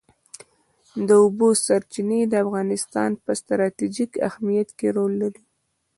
د اوبو سرچینې د افغانستان په ستراتیژیک اهمیت کې رول لري.